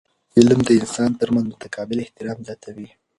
علم د انسانانو ترمنځ متقابل احترام زیاتوي.